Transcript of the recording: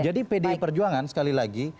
jadi pdi perjuangan sekali lagi